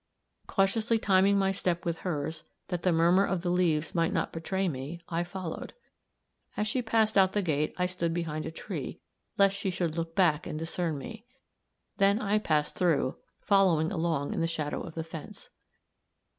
Cautiously timing my step with hers, that the murmur of the leaves might not betray me, I followed. As she passed out the gate, I stood behind a tree, lest she should look back and discern me; then I passed through, following along in the shadow of the fence.